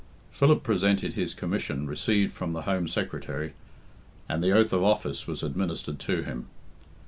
Philip presented his commission received from the Home Secretary, and the oath of office was administered to him.